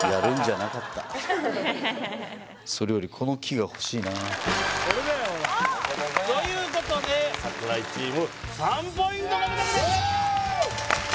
それよりこの木が欲しいなということで櫻井チーム３ポイント獲得ですイエーイ！